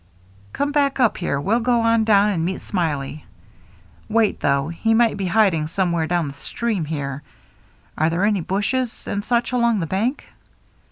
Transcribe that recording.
Come back up here — we'll go on down and meet Smiley. Wait, though, he might be hiding anywhere down the stream here. Are there many bushes and such along the bank?"